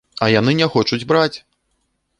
А яны не хочуць браць!